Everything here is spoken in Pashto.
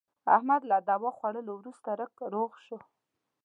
احمد له دوا خوړلو ورسته رک روغ شو.